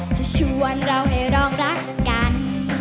จะชวนเราให้รองรักกัน